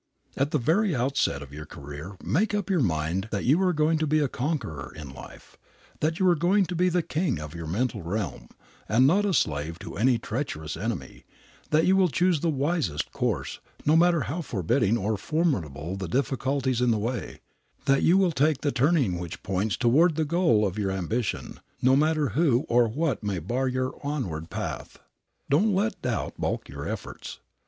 At the very outset of your career make up your mind that you are going to be a conqueror in life, that you are going to be the king of your mental realm, and not a slave to any treacherous enemy, that you will choose the wisest course, no matter how forbidding or formidable the difficulties in the way, that you will take the turning which points toward the goal of your ambition, no matter who or what may bar your onward path. Don't let doubt balk your efforts.